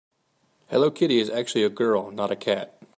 Hello Kitty is actually a girl, not a cat.